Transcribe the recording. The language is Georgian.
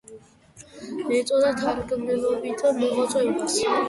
ეწეოდა მთარგმნელობით მოღვაწეობას.